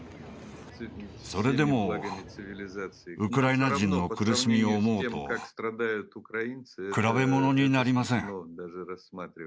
それでもウクライナ人の苦しみを思うと、比べものになりません。